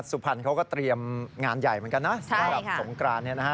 สุภัณฑ์เขาก็เตรียมงานใหญ่เหมือนกันนะสำหรับสงกราน